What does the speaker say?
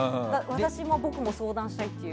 私も僕も相談したいと。